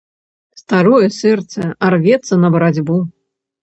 Старое сэрца, а рвецца на барацьбу!